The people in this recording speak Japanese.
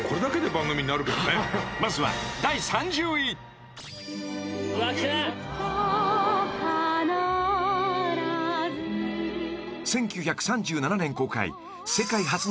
［まずは第３０位］［１９３７年公開］